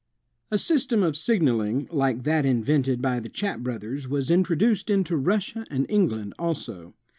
A S}'stem of signaling like that invented by the Chappe brothers was introduced into Russia and England also.